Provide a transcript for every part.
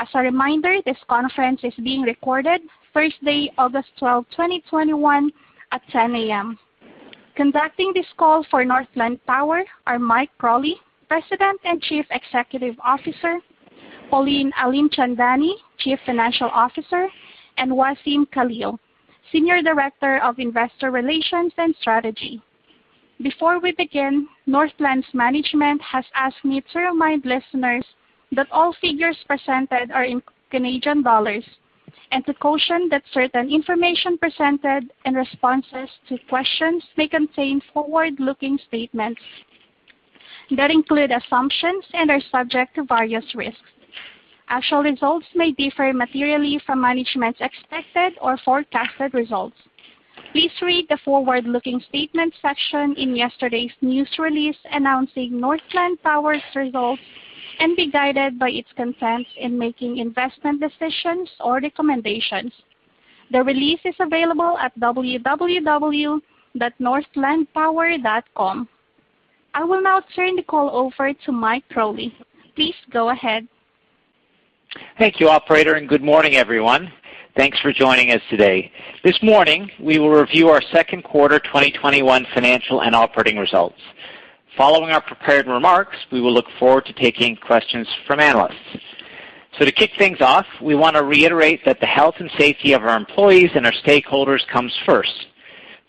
Conducting this call for Northland Power are Mike Crawley, President and Chief Executive Officer, Pauline Alimchandani, Chief Financial Officer, and Wassem Khalil, Senior Director of Investor Relations and Strategy. Before we begin, Northland's management has asked me to remind listeners that all figures presented are in Canadian dollars, and to caution that certain information presented and responses to questions may contain forward-looking statements that include assumptions and are subject to various risks. Actual results may differ materially from management's expected or forecasted results. Please read the forward-looking statement section in yesterday's news release announcing Northland Power's results, and be guided by its consent in making investment decisions or recommendations. The release is available at www.northlandpower.com. I will now turn the call over to Mike Crawley. Please go ahead. Thank you, operator. Good morning, everyone. Thanks for joining us today. This morning, we will review our second quarter 2021 financial and operating results. Following our prepared remarks, we will look forward to taking questions from analysts. To kick things off, we want to reiterate that the health and safety of our employees and our stakeholders comes first.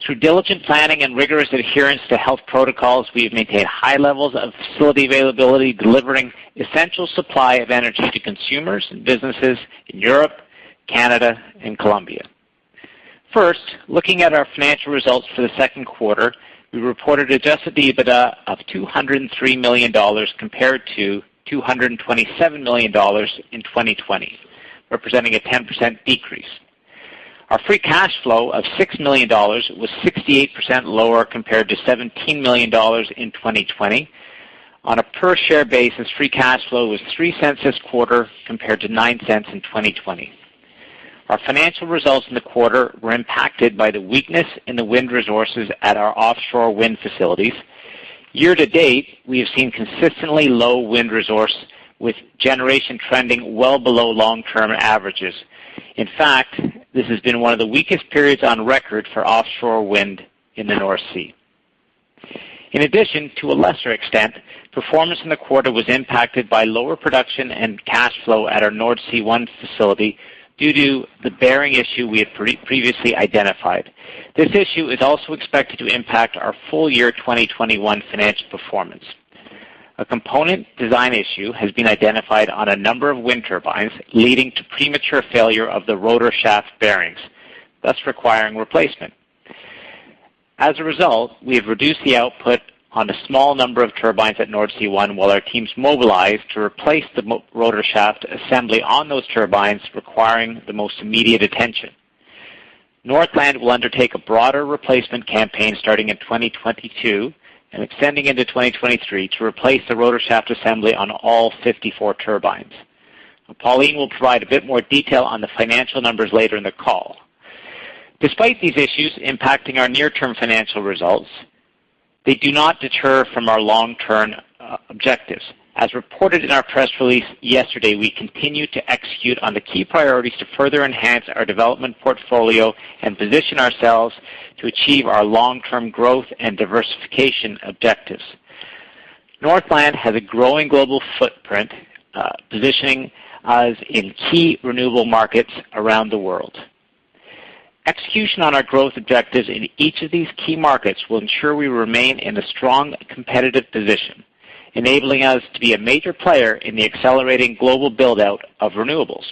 Through diligent planning and rigorous adherence to health protocols, we have maintained high levels of facility availability, delivering essential supply of energy to consumers and businesses in Europe, Canada, and Colombia. First, looking at our financial results for the second quarter, we reported adjusted EBITDA of 203 million dollars compared to 227 million dollars in 2020, representing a 10% decrease. Our free cash flow of 6 million dollars was 68% lower compared to 17 million dollars in 2020. On a per-share basis, free cash flow was 0.03 this quarter compared to 0.09 in 2020. Our financial results in the quarter were impacted by the weakness in the wind resources at our offshore wind facilities. Year to date, we have seen consistently low wind resource, with generation trending well below long-term averages. In fact, this has been one of the weakest periods on record for offshore wind in the North Sea. To a lesser extent, performance in the quarter was impacted by lower production and cash flow at our Nordsee One facility due to the bearing issue we had previously identified. This issue is also expected to impact our full year 2021 financial performance. A component design issue has been identified on a number of wind turbines, leading to premature failure of the rotor shaft bearings, thus requiring replacement. As a result, we have reduced the output on a small number of turbines at Nordsee One while our teams mobilize to replace the rotor shaft assembly on those turbines requiring the most immediate attention. Northland will undertake a broader replacement campaign starting in 2022 and extending into 2023 to replace the rotor shaft assembly on all 54 turbines. Pauline will provide a bit more detail on the financial numbers later in the call. Despite these issues impacting our near-term financial results, they do not deter from our long-term objectives. As reported in our press release yesterday, we continue to execute on the key priorities to further enhance our development portfolio and position ourselves to achieve our long-term growth and diversification objectives. Northland has a growing global footprint, positioning us in key renewable markets around the world. Execution on our growth objectives in each of these key markets will ensure we remain in a strong, competitive position, enabling us to be a major player in the accelerating global build-out of renewables.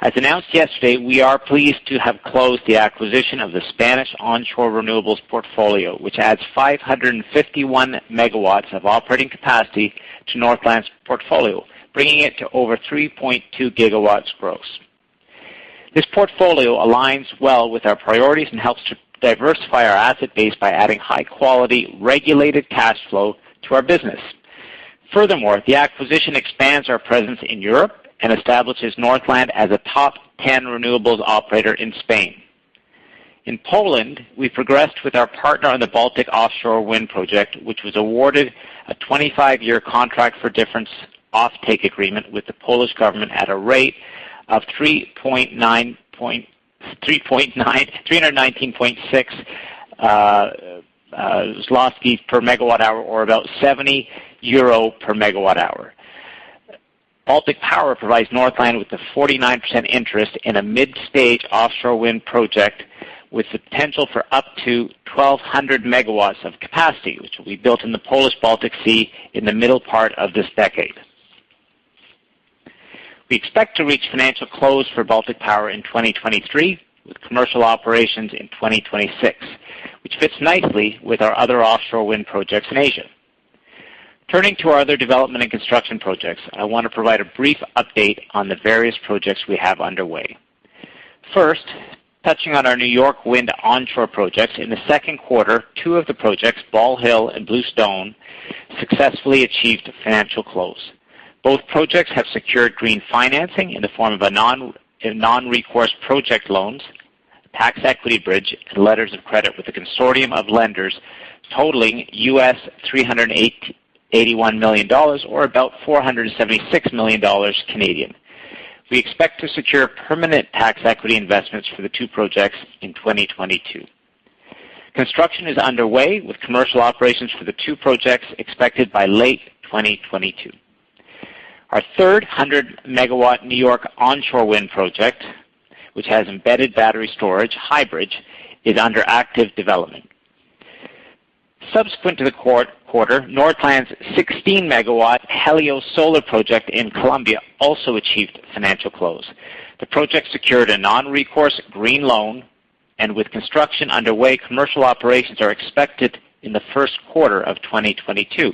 As announced yesterday, we are pleased to have closed the acquisition of the Spanish onshore renewables portfolio, which adds 551 MW of operating capacity to Northland's portfolio, bringing it to over 3.2 GW gross. This portfolio aligns well with our priorities and helps to diversify our asset base by adding high-quality, regulated cash flow to our business. The acquisition expands our presence in Europe and establishes Northland as a top 10 renewables operator in Spain. In Poland, we progressed with our partner on the Baltic offshore wind project, which was awarded a 25-year contract for difference offtake agreement with the Polish government at a rate of 319.6 złoty per megawatt hour or about 70 euro per megawatt hour. Baltic Power provides Northland with a 49% interest in a mid-stage offshore wind project with the potential for up to 1,200 MW of capacity, which will be built in the Polish Baltic Sea in the middle part of this decade. We expect to reach financial close for Baltic Power in 2023, with commercial operations in 2026, which fits nicely with our other offshore wind projects in Asia. Turning to our other development and construction projects, I want to provide a brief update on the various projects we have underway. First, touching on our New York Wind onshore projects, in the second quarter, two of the projects, Ball Hill and Bluestone, successfully achieved financial close. Both projects have secured green financing in the form of non-recourse project loans, tax equity bridge, and letters of credit with a consortium of lenders totaling $381 million, or about 476 million Canadian dollars. We expect to secure permanent tax equity investments for the two projects in 2022. Construction is underway, with commercial operations for the two projects expected by late 2022. Our third 100 MW New York onshore wind project, which has embedded battery storage, High Bridge, is under active development. Subsequent to the quarter, Northland's 16 MW Helios solar project in Colombia also achieved financial close. The project secured a non-recourse green loan, and with construction underway, commercial operations are expected in the first quarter of 2022.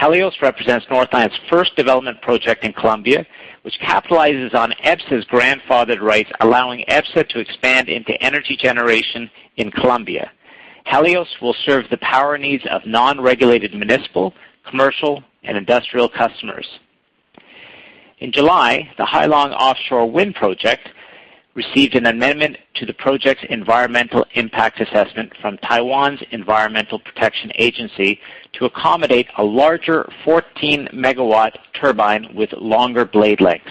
Helios represents Northland's first development project in Colombia, which capitalizes on EPSA's grandfathered rights, allowing EPSA to expand into energy generation in Colombia. Helios will serve the power needs of non-regulated municipal, commercial, and industrial customers. In July, the Hai Long offshore wind project received an amendment to the project's environmental impact assessment from Taiwan's Environmental Protection Administration to accommodate a larger 14 MW turbine with longer blade lengths.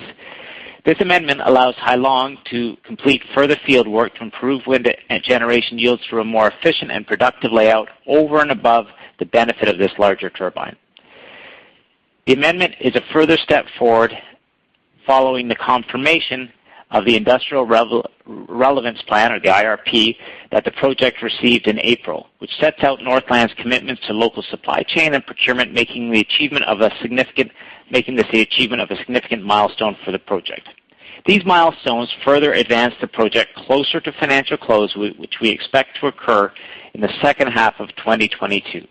This amendment allows Hai Long to complete further fieldwork to improve wind generation yields through a more efficient and productive layout over and above the benefit of this larger turbine. The amendment is a further step forward following the confirmation of the Industrial Relevance Plan, or the IRP, that the project received in April, which sets out Northland's commitments to local supply chain and procurement, making this the achievement of a significant milestone for the project. These milestones further advance the project closer to financial close, which we expect to occur in the second half of 2022.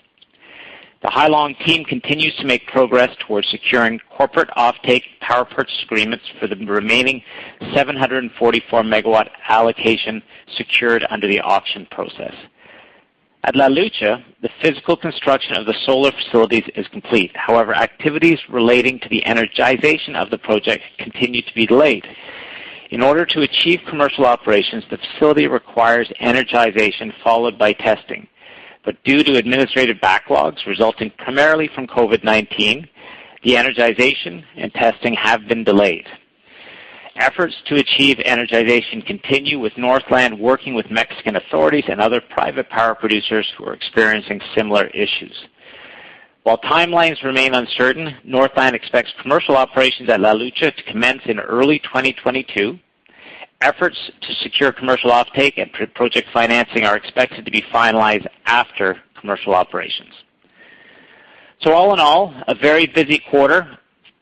The Hai Long team continues to make progress towards securing corporate offtake power purchase agreements for the remaining 744 MW allocation secured under the auction process. At La Lucha, the physical construction of the solar facilities is complete. However, activities relating to the energization of the project continue to be delayed. In order to achieve commercial operations, the facility requires energization followed by testing. Due to administrative backlogs resulting primarily from COVID-19, the energization and testing have been delayed. Efforts to achieve energization continue, with Northland working with Mexican authorities and other private power producers who are experiencing similar issues. While timelines remain uncertain, Northland expects commercial operations at La Lucha to commence in early 2022. Efforts to secure commercial offtake and project financing are expected to be finalized after commercial operations. All in all, a very busy quarter,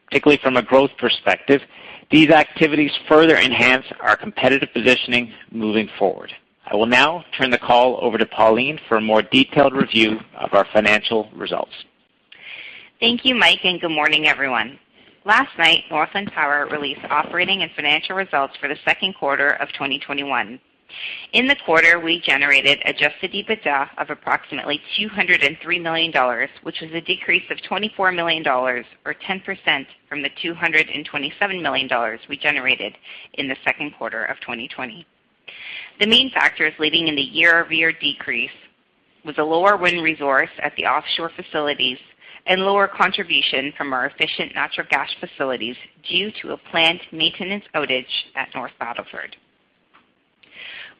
particularly from a growth perspective. These activities further enhance our competitive positioning moving forward. I will now turn the call over to Pauline for a more detailed review of our financial results. Thank you, Mike, and good morning, everyone. Last night, Northland Power released operating and financial results for the second quarter of 2021. In the quarter, we generated adjusted EBITDA of approximately 203 million dollars, which was a decrease of 24 million dollars, or 10%, from the 227 million dollars we generated in the second quarter of 2020. The main factors leading in the year-over-year decrease was a lower wind resource at the offshore facilities and lower contribution from our efficient natural gas facilities due to a planned maintenance outage at North Battleford.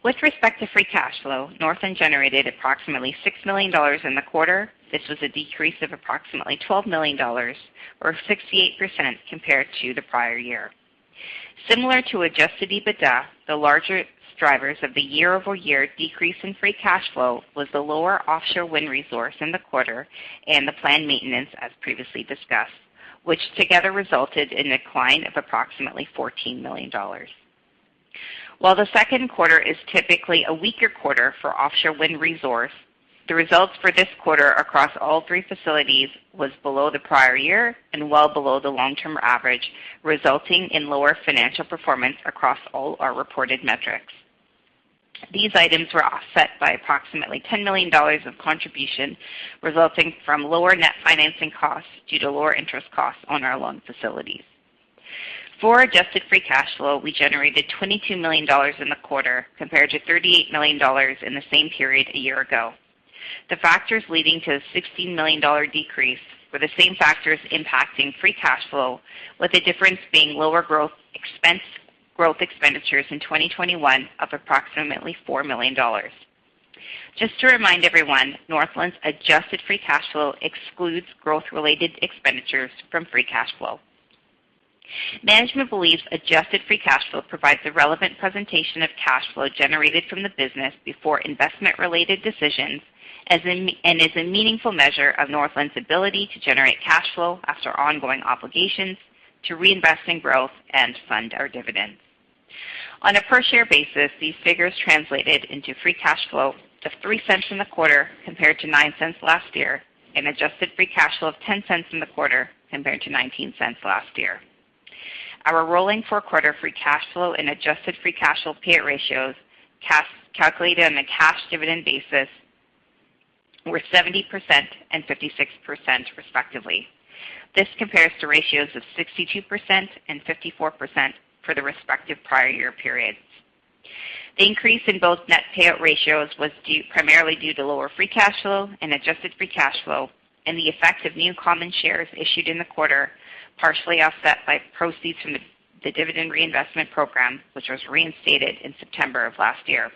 With respect to free cash flow, Northland generated approximately 6 million dollars in the quarter. This was a decrease of approximately 12 million dollars, or 68%, compared to the prior year. Similar to adjusted EBITDA, the largest drivers of the year-over-year decrease in free cash flow was the lower offshore wind resource in the quarter and the planned maintenance, as previously discussed, which together resulted in a decline of approximately 14 million dollars. While the second quarter is typically a weaker quarter for offshore wind resource, the results for this quarter across all three facilities was below the prior year and well below the long-term average, resulting in lower financial performance across all our reported metrics. These items were offset by approximately 10 million dollars of contribution resulting from lower net financing costs due to lower interest costs on our loan facilities. For adjusted free cash flow, we generated 22 million dollars in the quarter, compared to 38 million dollars in the same period a year ago. The factors leading to a 16 million dollar decrease were the same factors impacting free cash flow, with the difference being lower growth expenditures in 2021 of approximately 4 million dollars. Just to remind everyone, Northland's adjusted free cash flow excludes growth-related expenditures from free cash flow. Management believes adjusted free cash flow provides a relevant presentation of cash flow generated from the business before investment-related decisions and is a meaningful measure of Northland's ability to generate cash flow after ongoing obligations to reinvest in growth and fund our dividends. On a per-share basis, these figures translated into free cash flow of 0.03 in the quarter compared to 0.09 last year, and adjusted free cash flow of 0.10 in the quarter compared to 0.19 last year. Our rolling four-quarter free cash flow and adjusted free cash flow payout ratios, calculated on a cash dividend basis, were 70% and 56%, respectively. This compares to ratios of 62% and 54% for the respective prior year periods. The increase in both net payout ratios was primarily due to lower free cash flow and adjusted free cash flow, and the effect of new common shares issued in the quarter, partially offset by proceeds from the dividend reinvestment program, which was reinstated in September of last year.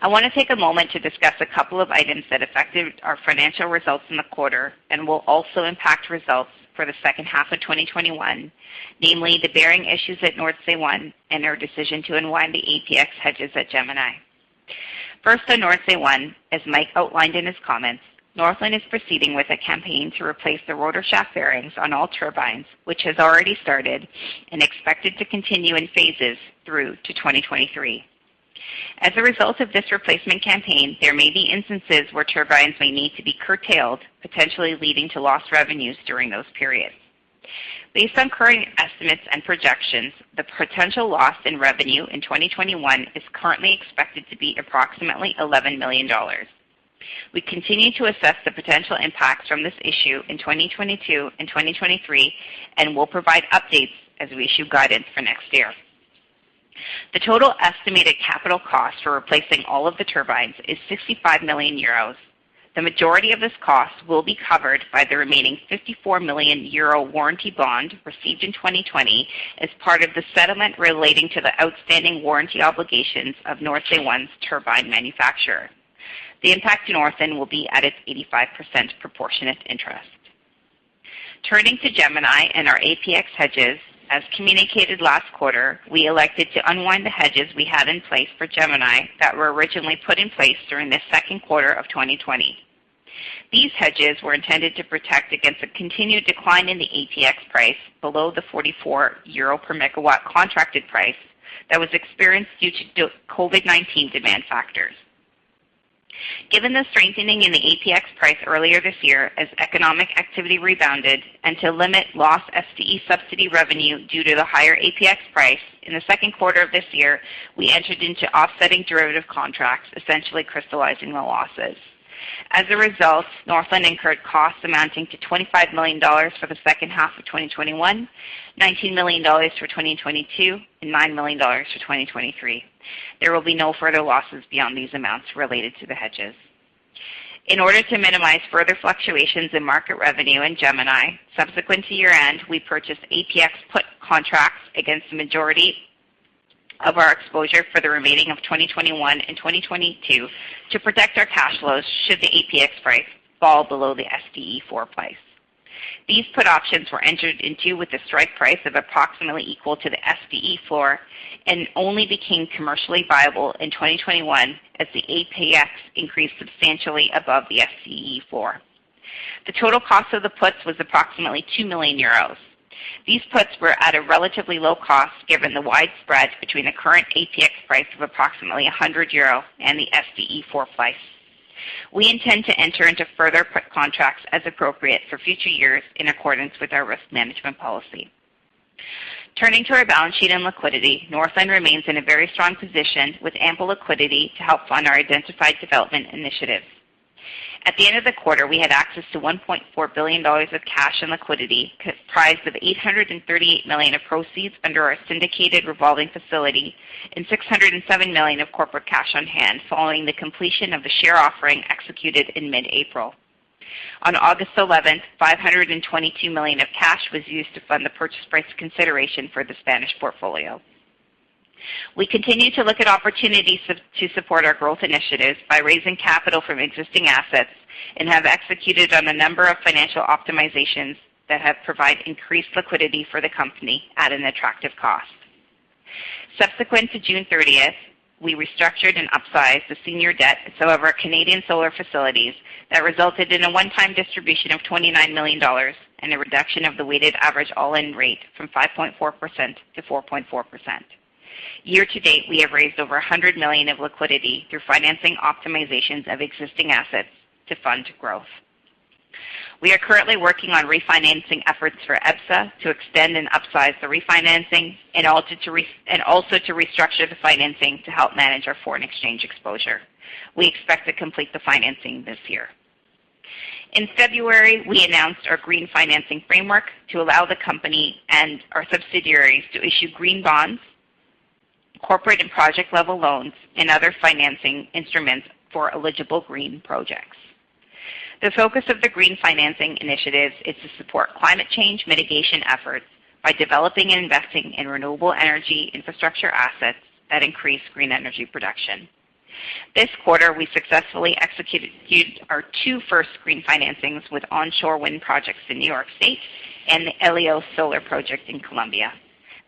I want to take a moment to discuss a couple of items that affected our financial results in the quarter and will also impact results for the second half of 2021, namely the bearing issues at Nordsee One and our decision to unwind the APX hedges at Gemini. First on Nordsee One, as Mike outlined in his comments, Northland is proceeding with a campaign to replace the rotor shaft bearings on all turbines, which has already started and expected to continue in phases through to 2023. As a result of this replacement campaign, there may be instances where turbines may need to be curtailed, potentially leading to lost revenues during those periods. Based on current estimates and projections, the potential loss in revenue in 2021 is currently expected to be approximately 11 million dollars. We continue to assess the potential impacts from this issue in 2022 and 2023, and will provide updates as we issue guidance for next year. The total estimated capital cost for replacing all of the turbines is 65 million euros. The majority of this cost will be covered by the remaining 54 million euro warranty bond received in 2020 as part of the settlement relating to the outstanding warranty obligations of Nordsee One's turbine manufacturer. The impact to Northland will be at its 85% proportionate interest. Turning to Gemini and our APX hedges, as communicated last quarter, we elected to unwind the hedges we had in place for Gemini that were originally put in place during the second quarter of 2020. These hedges were intended to protect against a continued decline in the APX price below the 44 euro per MW contracted price that was experienced due to COVID-19 demand factors. Given the strengthening in the APX price earlier this year as economic activity rebounded and to limit lost SDE subsidy revenue due to the higher APX price, in the second quarter of this year, we entered into offsetting derivative contracts, essentially crystallizing the losses. As a result, Northland incurred costs amounting to 25 million dollars for the second half of 2021, 19 million dollars for 2022, and 9 million dollars for 2023. There will be no further losses beyond these amounts related to the hedges. In order to minimize further fluctuations in market revenue in Gemini, subsequent to year-end, we purchased APX put contracts against the majority of our exposure for the remaining of 2021 and 2022 to protect our cash flows should the APX price fall below the SDE floor price. These put options were entered into with a strike price of approximately equal to the SDE floor and only became commercially viable in 2021 as the APX increased substantially above the SDE floor. The total cost of the puts was approximately 2 million euros. These puts were at a relatively low cost given the wide spread between the current APX price of approximately 100 euro and the SDE floor price. We intend to enter into further put contracts as appropriate for future years in accordance with our risk management policy. Turning to our balance sheet and liquidity, Northland remains in a very strong position with ample liquidity to help fund our identified development initiatives. At the end of the quarter, we had access to 1.4 billion dollars of cash and liquidity comprised of 838 million of proceeds under our syndicated revolving facility and 607 million of corporate cash on hand following the completion of the share offering executed in mid-April. On August 11th, 522 million of cash was used to fund the purchase price consideration for the Spanish portfolio. We continue to look at opportunities to support our growth initiatives by raising capital from existing assets and have executed on a number of financial optimizations that have provided increased liquidity for the company at an attractive cost. Subsequent to June 30th, we restructured and upsized the senior debt of some of our Canadian solar facilities that resulted in a one-time distribution of 29 million dollars and a reduction of the weighted average all-in rate from 5.4%-4.4%. Year to date, we have raised over 100 million of liquidity through financing optimizations of existing assets to fund growth. We are currently working on refinancing efforts for EPSA to extend and upsize the refinancing, and also to restructure the financing to help manage our foreign exchange exposure. We expect to complete the financing this year. In February, we announced our green financing framework to allow the company and our subsidiaries to issue green bonds, corporate and project-level loans, and other financing instruments for eligible green projects. The focus of the green financing initiatives is to support climate change mitigation efforts by developing and investing in renewable energy infrastructure assets that increase green energy production. This quarter, we successfully executed our two first green financings with onshore wind projects in New York State and the Helios Solar Project in Colombia,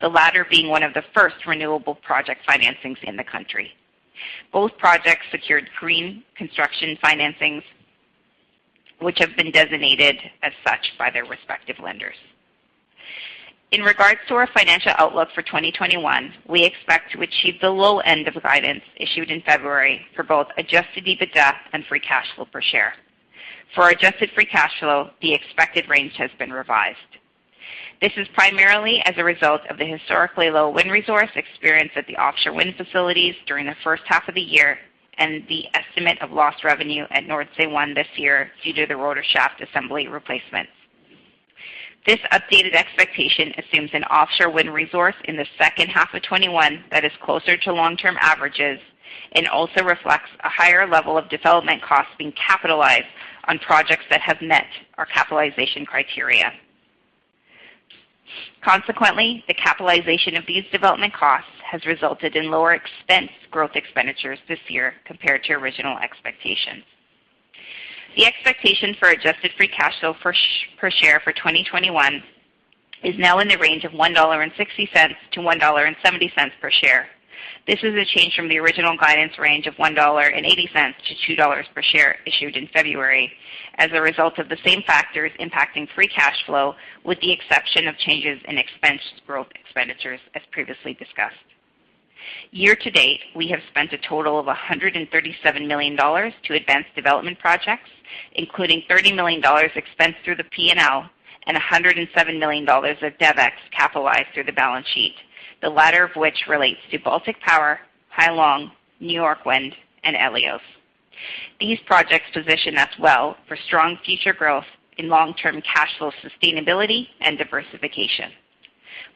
the latter being one of the first renewable project financings in the country. Both projects secured green construction financings, which have been designated as such by their respective lenders. In regards to our financial outlook for 2021, we expect to achieve the low end of guidance issued in February for both adjusted EBITDA and free cash flow per share. For adjusted free cash flow, the expected range has been revised. This is primarily as a result of the historically low wind resource experienced at the offshore wind facilities during the first half of the year, and the estimate of lost revenue at Nordsee One this year due to the rotor shaft assembly replacements. This updated expectation assumes an offshore wind resource in the second half of 2021 that is closer to long-term averages and also reflects a higher level of development costs being capitalized on projects that have met our capitalization criteria. Consequently, the capitalization of these development costs has resulted in lower expense growth expenditures this year compared to original expectations. The expectation for adjusted free cash flow per share for 2021 is now in the range of 1.60-1.70 dollar per share. This is a change from the original guidance range of 1.80-2 dollar per share issued in February as a result of the same factors impacting free cash flow, with the exception of changes in expense growth expenditures as previously discussed. Year-to-date, we have spent a total of 137 million dollars to advance development projects, including 30 million dollars expensed through the P&L and 107 million dollars of DevEx capitalized through the balance sheet, the latter of which relates to Baltic Power, Hai Long, New York Wind, and Helios. These projects position us well for strong future growth in long-term cash flow sustainability and diversification.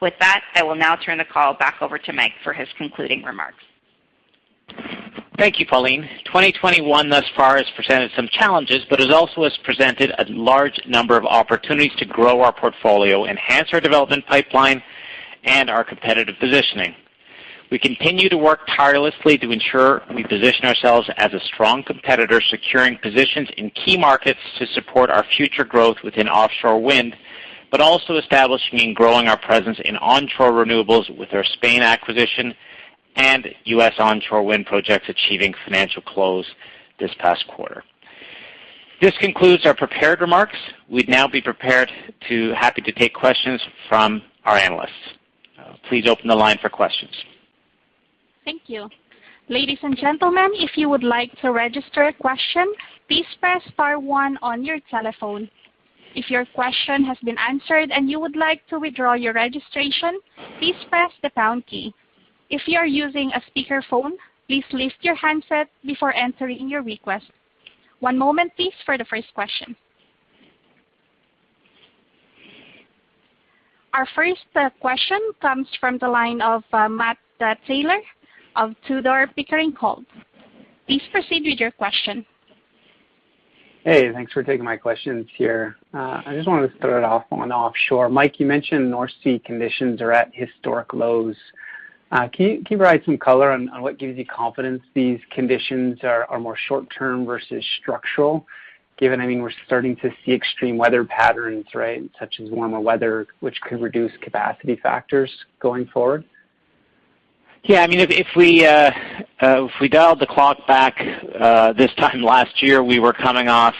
With that, I will now turn the call back over to Mike for his concluding remarks. Thank you, Pauline. 2021 thus far has presented some challenges, but it also has presented a large number of opportunities to grow our portfolio, enhance our development pipeline, and our competitive positioning. We continue to work tirelessly to ensure we position ourselves as a strong competitor, securing positions in key markets to support our future growth within offshore wind, but also establishing and growing our presence in onshore renewables with our Spain acquisition and U.S. onshore wind projects achieving financial close this past quarter. This concludes our prepared remarks. We'd now be happy to take questions from our analysts. Please open the line for questions. Our first question comes from the line of Matt Taylor of Tudor, Pickering Holt. Please proceed with your question. Hey, thanks for taking my questions here. I just wanted to start it off on offshore. Mike, you mentioned North Sea conditions are at historic lows. Can you provide some color on what gives you confidence these conditions are more short-term versus structural, given we're starting to see extreme weather patterns, right, such as warmer weather, which could reduce capacity factors going forward? If we dialed the clock back this time last year, we were coming off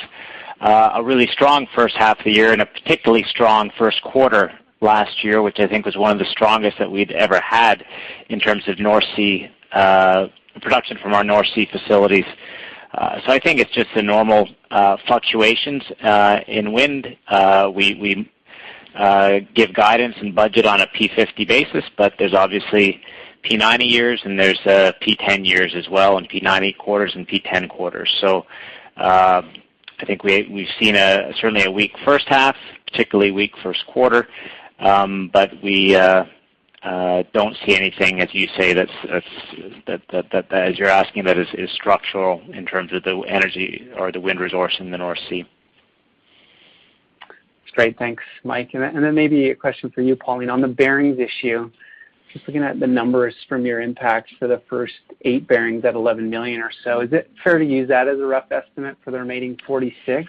a really strong first half of the year and a particularly strong first quarter last year, which I think was one of the strongest that we'd ever had in terms of production from our North Sea facilities. I think it's just the normal fluctuations in wind. We give guidance and budget on a P50 basis, but there's obviously P90 years, and there's P10 years as well, and P90 quarters and P10 quarters. I think we've seen certainly a weak first half, particularly weak first quarter. We don't see anything, as you're asking, that is structural in terms of the energy or the wind resource in the North Sea. Great. Thanks, Mike. Maybe a question for you, Pauline. On the bearings issue, just looking at the numbers from your impact for the first eight bearings at 11 million or so, is it fair to use that as a rough estimate for the remaining 46?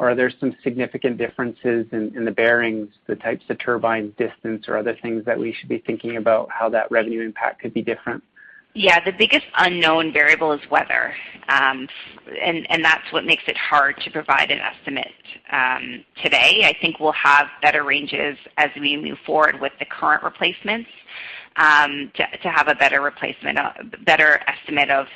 Are there some significant differences in the bearings, the types of turbine design, or other things that we should be thinking about how that revenue impact could be different? Yeah, the biggest unknown variable is weather. That's what makes it hard to provide an estimate today. I think we'll have better ranges as we move forward with the current replacements to have a better estimate of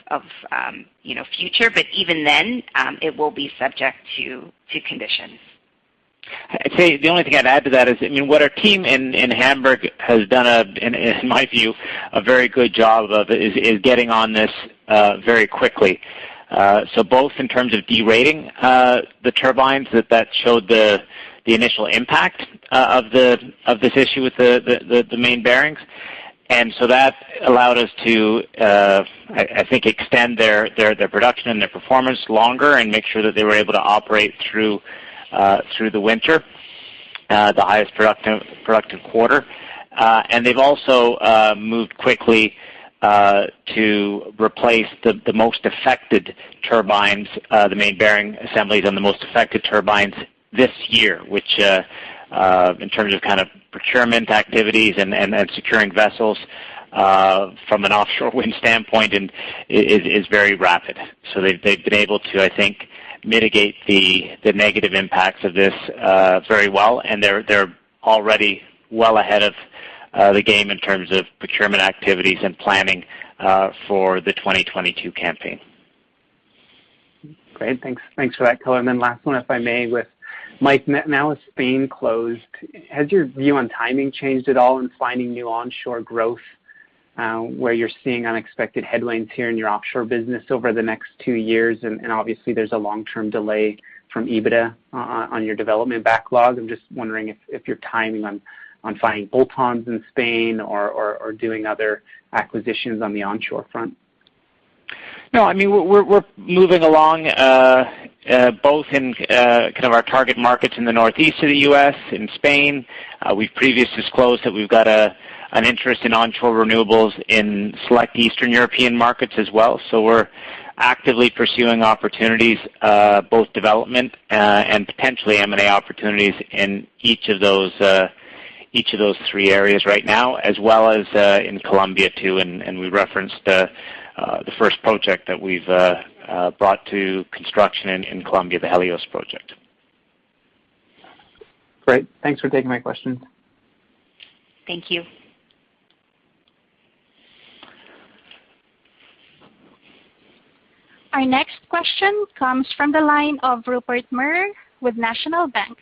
future. Even then, it will be subject to conditions. I'd say the only thing I'd add to that is what our team in Hamburg has done, in my view, a very good job of, is getting on this very quickly. Both in terms of derating the turbines that showed the initial impact of this issue with the main bearings. That allowed us to, I think, extend their production and their performance longer and make sure that they were able to operate through the winter, the highest productive quarter. They've also moved quickly to replace the most affected turbines, the main bearing assemblies on the most affected turbines this year, which in terms of procurement activities and securing vessels from an offshore wind standpoint, is very rapid. They've been able to, I think, mitigate the negative impacts of this very well, and they're already well ahead of the game in terms of procurement activities and planning for the 2022 campaign. Great. Thanks for that color. Then last one, if I may, with Mike. Now with Spain closed, has your view on timing changed at all in finding new onshore growth, where you're seeing unexpected headwinds here in your offshore business over the next two years? Obviously, there's a long-term delay from EBITDA on your development backlog. I'm just wondering if you're timing on finding bolt-ons in Spain or doing other acquisitions on the onshore front? No, we're moving along both in our target markets in the northeast of the U.S., in Spain. We've previously disclosed that we've got an interest in onshore renewables in select Eastern European markets as well. So we're actively pursuing opportunities, both development and potentially M&A opportunities in each of those three areas right now, as well as in Colombia, too. And we referenced the first project that we've brought to construction in Colombia, the Helios project. Great. Thanks for taking my questions. Thank you. Our next question comes from the line of Rupert Merer with National Bank.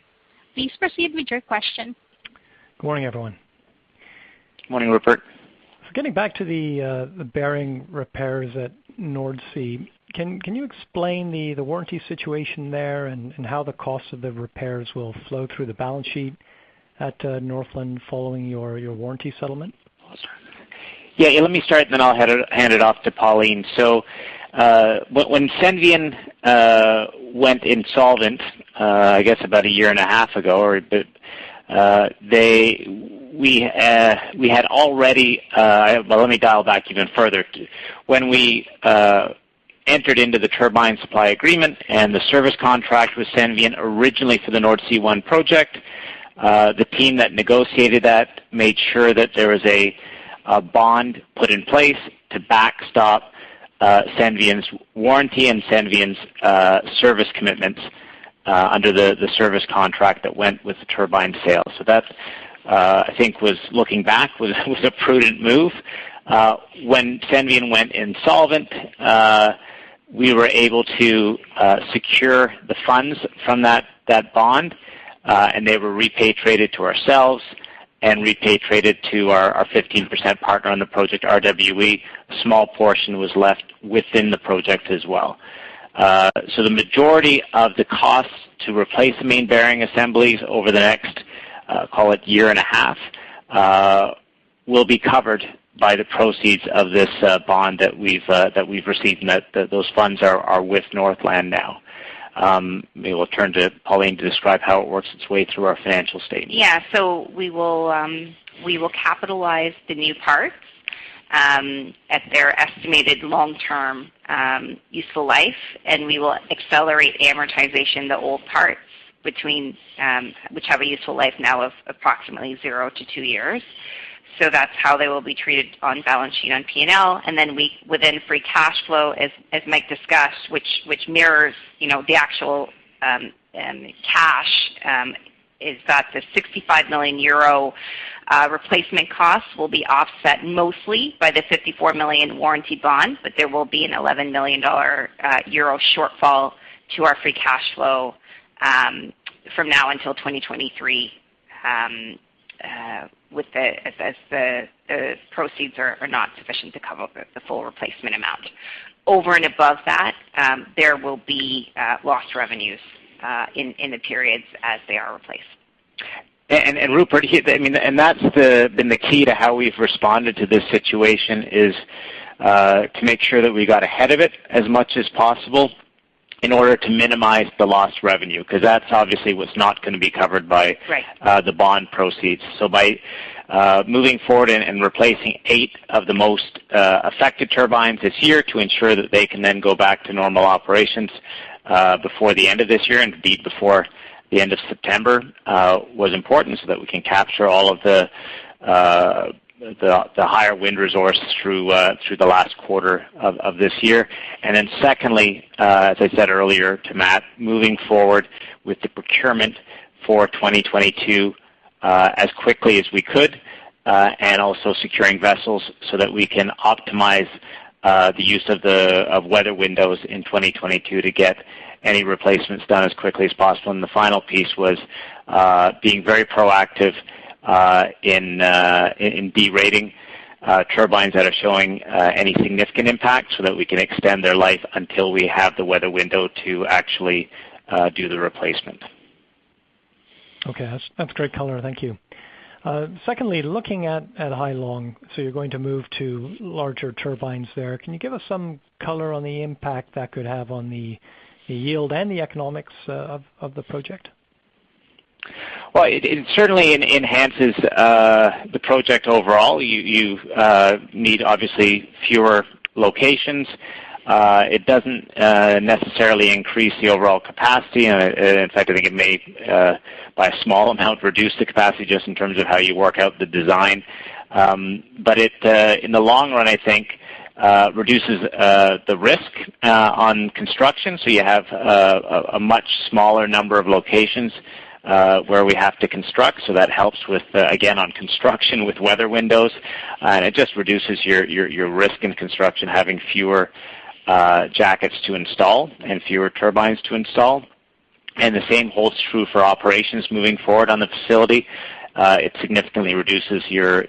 Please proceed with your question. Good morning, everyone. Morning, Rupert. Getting back to the bearing repairs at North Sea, can you explain the warranty situation there and how the cost of the repairs will flow through the balance sheet at Northland following your warranty settlement? Yeah, let me start, and then I'll hand it off to Pauline. When Senvion went insolvent, I guess about a year and a half ago. Well, let me dial back even further. When we entered into the turbine supply agreement and the service contract with Senvion originally for the Nordsee One project, the team that negotiated that made sure that there was a bond put in place to backstop Senvion's warranty and Senvion's service commitments under the service contract that went with the turbine sale. That, I think looking back, was a prudent move. When Senvion went insolvent, we were able to secure the funds from that bond, and they were repatriated to ourselves and repatriated to our 15% partner on the project, RWE. A small portion was left within the project as well. The majority of the costs to replace the main bearing assemblies over the next, call it year and a half, will be covered by the proceeds of this bond that we've received, and those funds are with Northland now. Maybe we'll turn to Pauline to describe how it works its way through our financial statements. We will capitalize the new parts at their estimated long-term useful life, and we will accelerate amortization, the old parts, which have a useful life now of approximately zero to two years. That's how they will be treated on balance sheet on P&L. Within free cash flow, as Mike discussed, which mirrors the actual cash, is that the €65 million replacement cost will be offset mostly by the €54 million warranty bond, but there will be an €11 million shortfall to our free cash flow from now until 2023, as the proceeds are not sufficient to cover the full replacement amount. Over and above that, there will be lost revenues in the periods as they are replaced. Rupert, that's been the key to how we've responded to this situation, is to make sure that we got ahead of it as much as possible in order to minimize the lost revenue, because that's obviously what's not going to be covered by. Right The bond proceeds. By moving forward and replacing eight of the most affected turbines this year to ensure that they can then go back to normal operations before the end of this year and indeed before the end of September was important so that we can capture all of the higher wind resource through the last quarter of this year. Secondly, as I said earlier to Matt, moving forward with the procurement for 2022 as quickly as we could, and also securing vessels so that we can optimize the use of weather windows in 2022 to get any replacements done as quickly as possible. The final piece was being very proactive in de-rating turbines that are showing any significant impact so that we can extend their life until we have the weather window to actually do the replacement. Okay. That's great color. Thank you. Secondly, looking at Hai Long. You're going to move to larger turbines there. Can you give us some color on the impact that could have on the yield and the economics of the project? Well, it certainly enhances the project overall. You need, obviously, fewer locations. It doesn't necessarily increase the overall capacity. In fact, I think it may, by a small amount, reduce the capacity just in terms of how you work out the design. In the long run, I think reduces the risk on construction. You have a much smaller number of locations where we have to construct. That helps with, again, on construction, with weather windows, and it just reduces your risk in construction, having fewer jackets to install and fewer turbines to install. The same holds true for operations moving forward on the facility. It significantly reduces your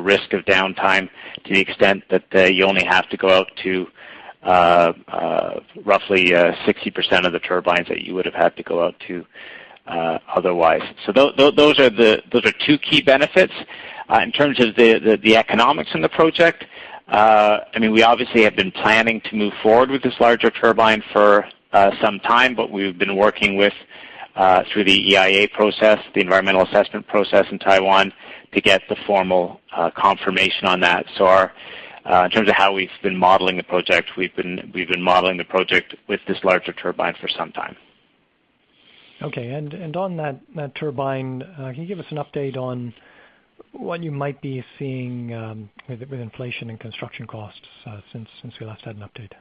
risk of downtime to the extent that you only have to go out to roughly 60% of the turbines that you would have had to go out to otherwise. Those are two key benefits. In terms of the economics in the project, we obviously have been planning to move forward with this larger turbine for some time. We've been working with, through the EIA process, the environmental impact assessment process in Taiwan, to get the formal confirmation on that. In terms of how we've been modeling the project, we've been modeling the project with this larger turbine for some time. Okay. On that turbine, can you give us an update on what you might be seeing with inflation and construction costs since we last had an update?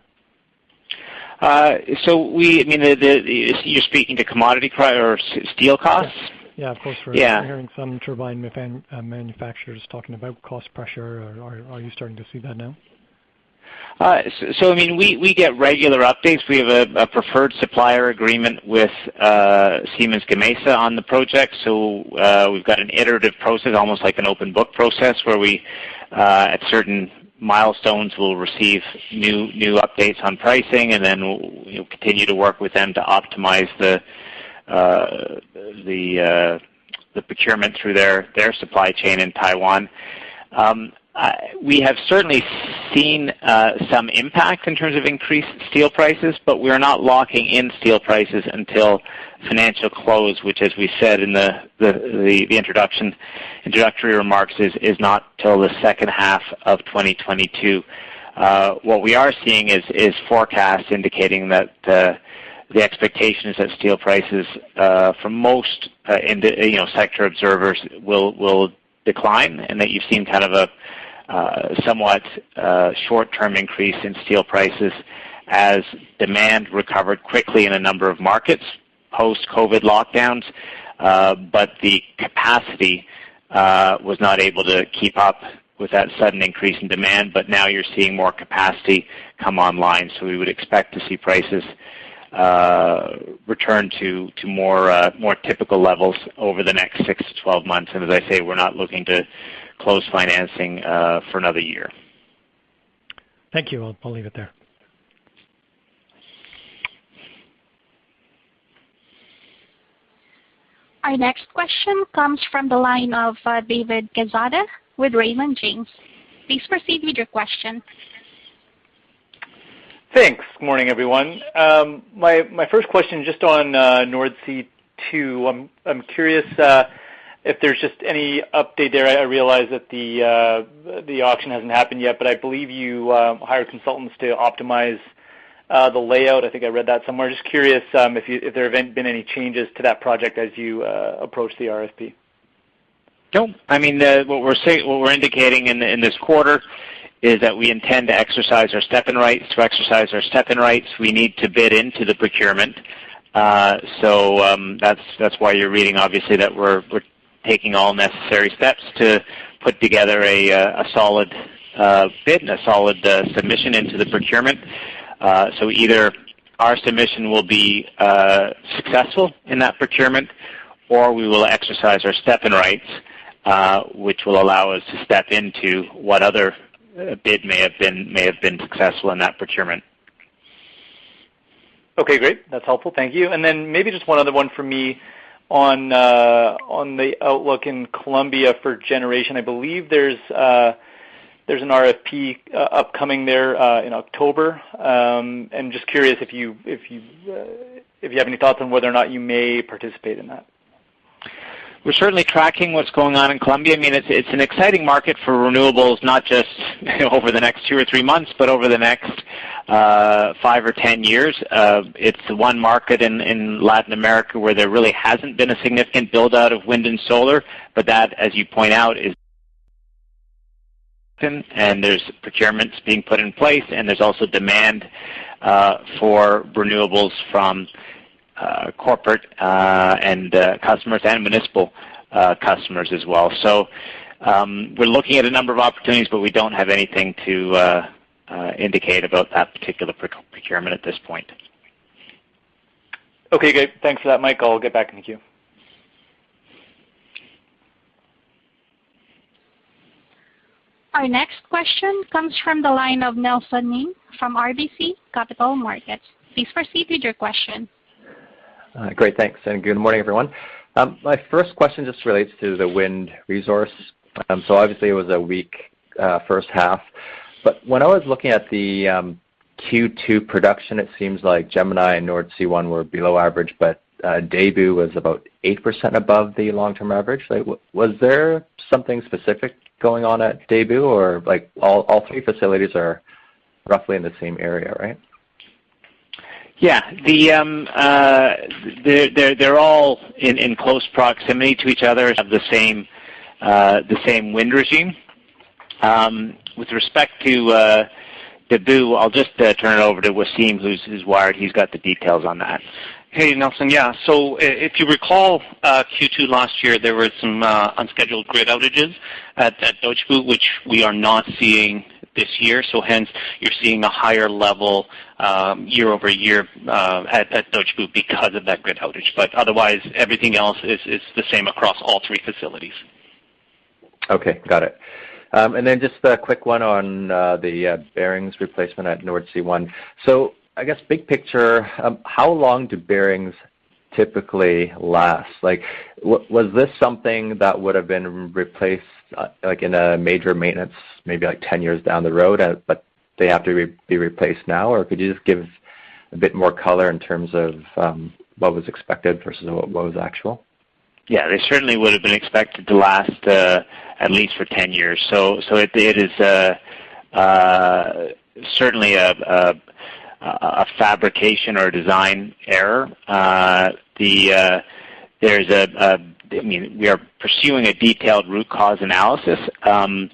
You're speaking to commodity price or steel costs? Yes, of course. Yeah. We're hearing some turbine manufacturers talking about cost pressure. Are you starting to see that now? We get regular updates. We have a preferred supplier agreement with Siemens Gamesa on the project. We've got an iterative process, almost like an open book process, where we, at certain milestones, will receive new updates on pricing, and then we'll continue to work with them to optimize the procurement through their supply chain in Taiwan. We have certainly seen some impact in terms of increased steel prices, but we are not locking in steel prices until financial close, which, as we said in the introductory remarks, is not till the second half of 2022. What we are seeing is forecasts indicating that the expectations that steel prices, for most sector observers, will decline, and that you've seen kind of a somewhat short-term increase in steel prices as demand recovered quickly in a number of markets, post-COVID lockdowns. The capacity was not able to keep up with that sudden increase in demand. Now you're seeing more capacity come online. We would expect to see prices return to more typical levels over the next 6-12 months. As I say, we're not looking to close financing for another year. Thank you. I'll leave it there. Our next question comes from the line of David Quezada with Raymond James. Please proceed with your question. Thanks. Morning, everyone. My first question, just on Nordsee Two. I'm curious if there's just any update there. I realize that the auction hasn't happened yet. I believe you hired consultants to optimize the layout. I think I read that somewhere. Just curious if there have been any changes to that project as you approach the RFP. No. What we're indicating in this quarter is that we intend to exercise our step-in rights. To exercise our step-in rights, we need to bid into the procurement. That's why you're reading, obviously, that we're taking all necessary steps to put together a solid bid and a solid submission into the procurement. Either our submission will be successful in that procurement, or we will exercise our step-in rights, which will allow us to step into what other bid may have been successful in that procurement. Okay, great. That's helpful. Thank you. Then maybe just one other one for me on the outlook in Colombia for generation. I believe there's an RFP upcoming there in October. I'm just curious if you have any thoughts on whether or not you may participate in that? We're certainly tracking what's going on in Colombia. It's an exciting market for renewables, not just over the next two or three months, but over the next five or 10 years. It's the one market in Latin America where there really hasn't been a significant build-out of wind and solar. There's procurements being put in place, and there's also demand for renewables from corporate customers and municipal customers as well. We're looking at a number of opportunities, but we don't have anything to indicate about that particular procurement at this point. Okay, good. Thanks for that, Mike. I will get back in the queue. Our next question comes from the line of Nelson Ng from RBC Capital Markets. Please proceed with your question. Great. Thanks. Good morning, everyone. My first question just relates to the wind resource. Obviously, it was a weak first half. When I was looking at the Q2 production, it seems like Gemini and Nordsee One were below average, but Deutsche Bucht was about 8% above the long-term average. Was there something specific going on at Deutsche Bucht? All three facilities are roughly in the same area, right? Yeah. They're all in close proximity to each other, have the same wind regime. With respect to Deutsche Bucht, I'll just turn it over to Wassem, who's wired. He's got the details on that. Hey, Nelson Ng. Yeah. If you recall, Q2 last year, there were some unscheduled grid outages at Deutsche Bucht, which we are not seeing this year. Hence, you're seeing a higher-level year-over-year at Deutsche Bucht because of that grid outage. Otherwise, everything else is the same across all three facilities. Okay. Got it. Just a quick one on the bearings replacement at Nordsee One. I guess big picture, how long do bearings typically last? Was this something that would have been replaced, in a major maintenance, maybe 10 years down the road, but they have to be replaced now? Could you just give a bit more color in terms of what was expected versus what was actual? They certainly would have been expected to last at least for 10 years. It is certainly a fabrication or design error. We are pursuing a detailed root cause analysis. As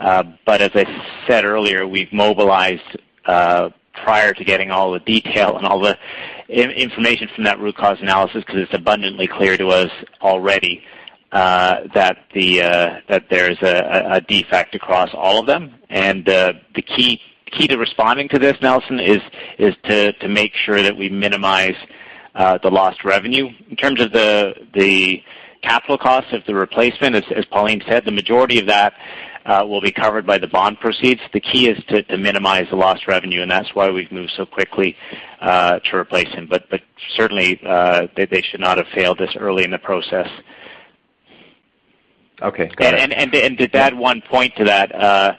I said earlier, we've mobilized, prior to getting all the detail and all the information from that root cause analysis, because it's abundantly clear to us already that there's a defect across all of them. The key to responding to this, Nelson, is to make sure that we minimize the lost revenue. In terms of the capital cost of the replacement, as Pauline said, the majority of that will be covered by the bond proceeds. The key is to minimize the lost revenue, and that's why we've moved so quickly, to replace them. Certainly, they should not have failed this early in the process. Okay. Got it. To add one point to that,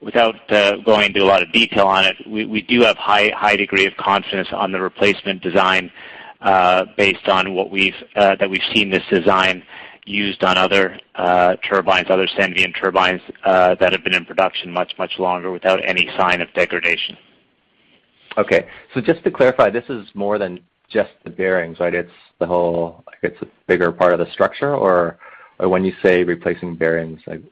without going into a lot of detail on it, we do have a high degree of confidence on the replacement design, based on what we've seen this design used on other turbines, other Senvion turbines, that have been in production much, much longer without any sign of degradation. Okay. Just to clarify, this is more than just the bearings, right? It's the whole, I guess, a bigger part of the structure? When you say replacing bearings, what does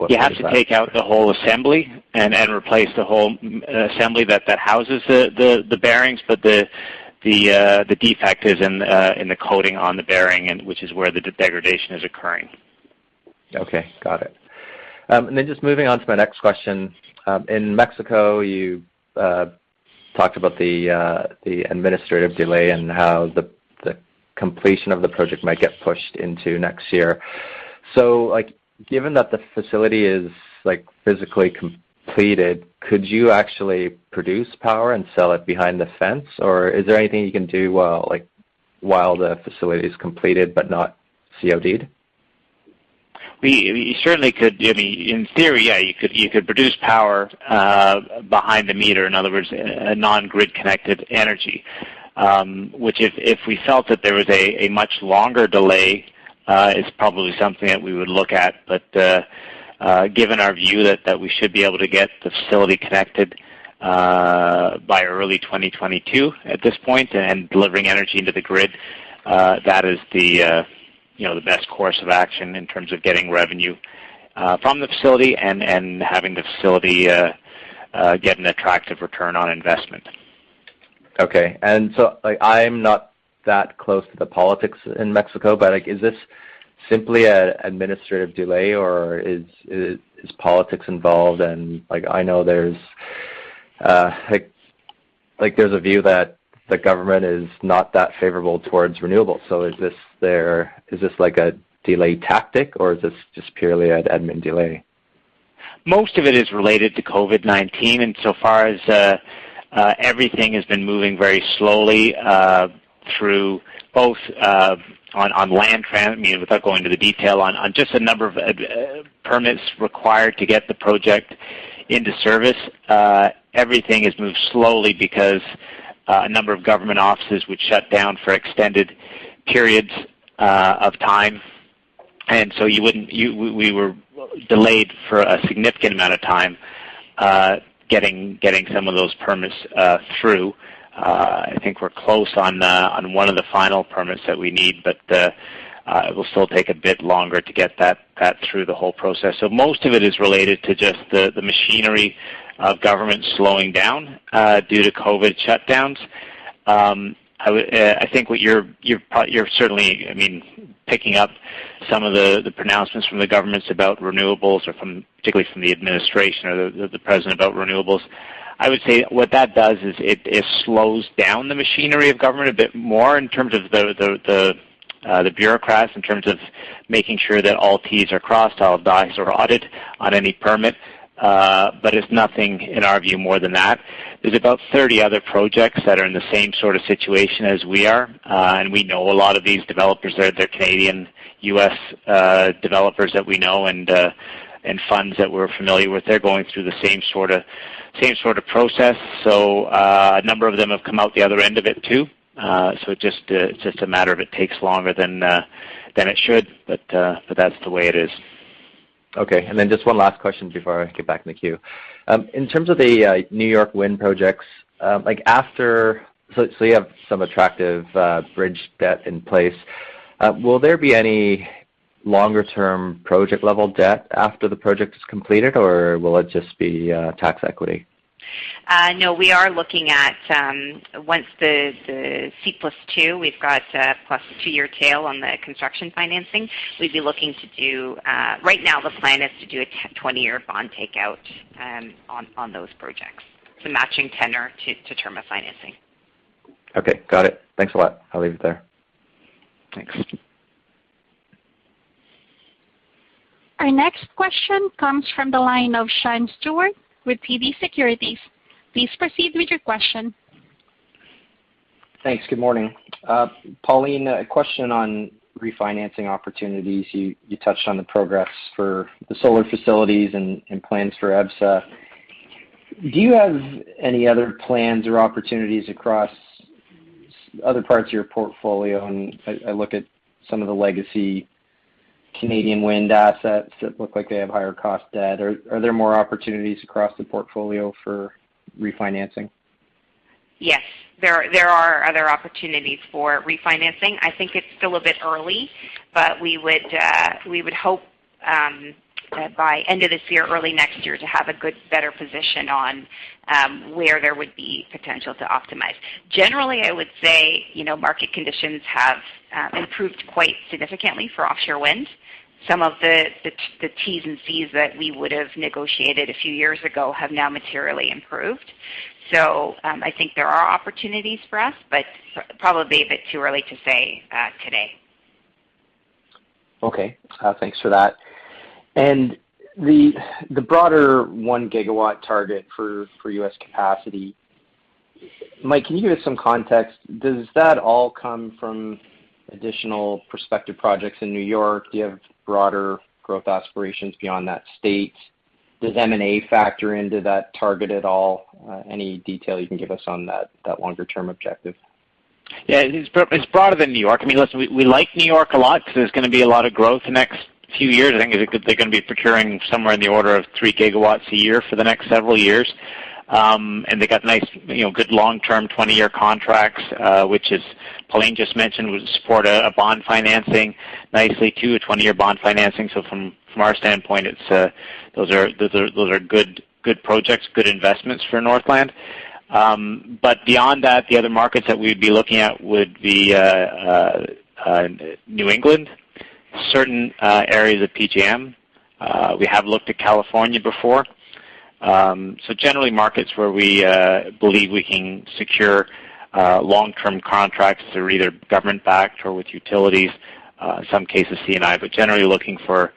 that- You have to take out the whole assembly and replace the whole assembly that houses the bearings. The defect is in the coating on the bearing, which is where the degradation is occurring. Okay. Got it. Just moving on to my next question. In Mexico, you talked about the administrative delay and how the completion of the project might get pushed into next year. Given that the facility is physically completed, could you actually produce power and sell it behind the fence? Or is there anything you can do while the facility is completed but not COD'd? You certainly could. In theory, yeah, you could produce power behind the meter. In other words, a non-grid-connected energy. Which, if we felt that there was a much longer delay, is probably something that we would look at. Given our view that we should be able to get the facility connected by early 2022, at this point, and delivering energy into the grid, that is the best course of action in terms of getting revenue from the facility and having the facility get an attractive return on investment. I'm not that close to the politics in Mexico, but is this simply an administrative delay, or is politics involved? I know there's a view that the government is not that favorable towards renewables. Is this a delay tactic, or is this just purely an admin delay? Most of it is related to COVID-19, insofar as everything has been moving very slowly through both on land without going into the detail, on just a number of permits required to get the project into service. Everything has moved slowly because a number of government offices would shut down for extended periods of time. We were delayed for a significant amount of time getting some of those permits through. I think we're close on one of the final permits that we need, it will still take a bit longer to get that through the whole process. Most of it is related to just the machinery of government slowing down due to COVID shutdowns. I think you're certainly picking up some of the pronouncements from the governments about renewables, or particularly from the administration or the president about renewables. I would say what that does is it slows down the machinery of government a bit more in terms of the bureaucrats, in terms of making sure that all T's are crossed, all I's are dotted on any permit. It's nothing, in our view, more than that. There's about 30 other projects that are in the same sort of situation as we are. We know a lot of these developers. They're Canadian-U.S. developers that we know and funds that we're familiar with. They're going through the same sort of process. A number of them have come out the other end of it, too. It's just a matter of it takes longer than it should, but that's the way it is. Okay. Just one last question before I get back in the queue. In terms of the New York Wind projects, you have some attractive bridge debt in place. Will there be any longer-term project-level debt after the project is completed, or will it just be tax equity? No, we are looking at, once the COD plus two, we've got plus a two-year tail on the construction financing, right now, the plan is to do a 20-year bond takeout on those projects. Matching tenor to term of financing. Okay, got it. Thanks a lot. I'll leave it there. Thanks. Our next question comes from the line of Sean Steuart with TD Securities. Please proceed with your question. Thanks. Good morning. Pauline, a question on refinancing opportunities. You touched on the progress for the solar facilities and plans for EPSA. Do you have any other plans or opportunities across other parts of your portfolio? I look at some of the legacy Canadian wind assets that look like they have higher cost debt. Are there more opportunities across the portfolio for refinancing? Yes, there are other opportunities for refinancing. I think it's still a bit early. We would hope, by end of this year or early next year, to have a good, better position on where there would be potential to optimize. Generally, I would say, market conditions have improved quite significantly for offshore wind. Some of the Ts and Cs that we would have negotiated a few years ago have now materially improved. I think there are opportunities for us. Probably a bit too early to say today. Okay. Thanks for that. The broader 1 GW target for U.S. capacity, Mike, can you give us some context? Does that all come from additional prospective projects in New York? Do you have broader growth aspirations beyond that state? Does M&A factor into that target at all? Any detail you can give us on that longer-term objective? It's broader than New York. I mean, listen, we like New York a lot because there's going to be a lot of growth the next few years. I think they're going to be procuring somewhere in the order of 3 GW a year for the next several years. They got nice, good long-term 20-year contracts, which, as Pauline just mentioned, would support a bond financing nicely, too, a 20-year bond financing. From our standpoint, those are good projects, good investments for Northland. Beyond that, the other markets that we'd be looking at would be New England, certain areas of PJM. We have looked at California before. Generally, markets where we believe we can secure long-term contracts that are either government-backed or with utilities. Some cases C&I, generally looking for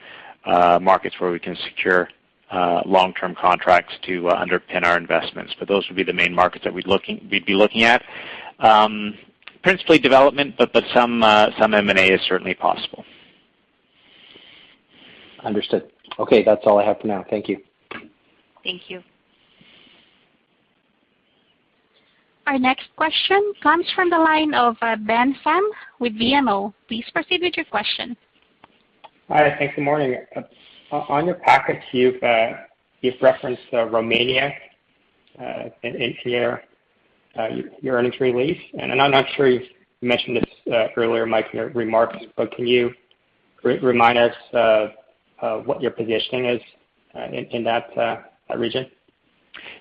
markets where we can secure long-term contracts to underpin our investments. Those would be the main markets that we'd be looking at. Principally development, but some M&A is certainly possible. Understood. Okay. That's all I have for now. Thank you. Thank you. Our next question comes from the line of Ben Pham with BMO. Please proceed with your question. Hi. Thanks. Good morning. On your packet, you've referenced Romania into your earnings release, and I'm not sure you've mentioned this earlier, Mike, in your remarks, but can you remind us what your positioning is in that region?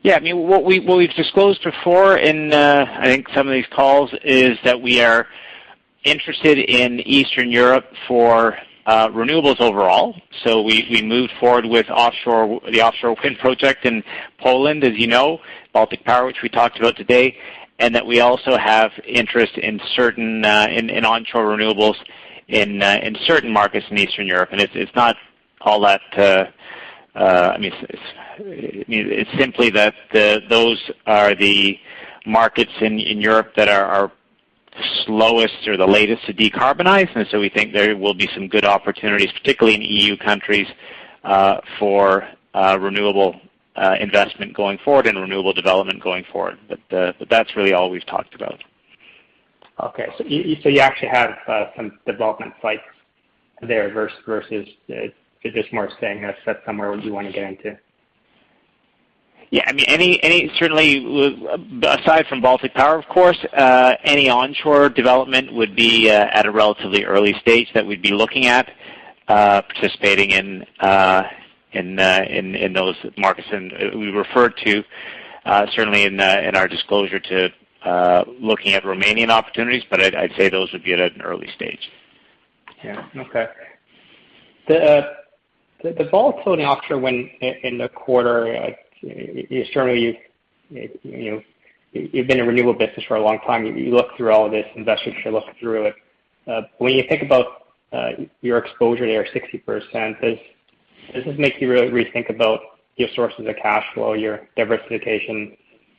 I mean, what we've disclosed before in, I think, some of these calls is that we are interested in Eastern Europe for renewables overall. We moved forward with the offshore wind project in Poland, as you know, Baltic Power, which we talked about today, and that we also have interest in onshore renewables in certain markets in Eastern Europe. It's simply that those are the markets in Europe that are slowest or the latest to decarbonize, and so we think there will be some good opportunities, particularly in EU countries, for renewable investment going forward and renewable development going forward. That's really all we've talked about. Okay. You actually have some development sites there versus, is this more saying that's somewhere where you want to get into? I mean, certainly, aside from Baltic Power, of course, any onshore development would be at a relatively early stage that we'd be looking at participating in those markets. We referred to, certainly in our disclosure, to looking at Romanian opportunities, but I'd say those would be at an early stage. The volatility in offshore wind in the quarter, certainly, you've been in renewable business for a long time. You look through all of this. Investors should look through it. When you think about your exposure there, 60%, does this make you really rethink about your sources of cash flow, your diversification